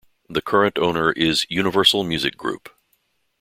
The current owner is Universal Music Group.